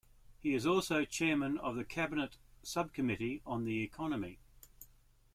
He was also Chairman of the cabinet sub-committee on the economy.